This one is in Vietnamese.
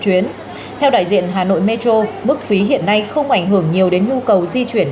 chuyến theo đại diện hà nội metro mức phí hiện nay không ảnh hưởng nhiều đến nhu cầu di chuyển